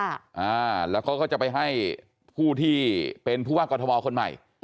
อ่าแล้วเขาก็จะไปให้ผู้ที่เป็นผู้ว่ากรทมคนใหม่